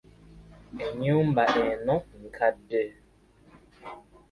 Ennyumba eno nkadde.